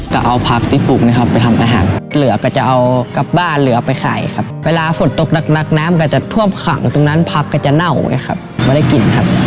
ก็เอาผักที่ปลูกนะครับไปทำอาหารเหลือก็จะเอากลับบ้านเหลือไปขายครับเวลาฝนตกหนักน้ำก็จะท่วมขังตรงนั้นผักก็จะเน่าไงครับไม่ได้กินครับ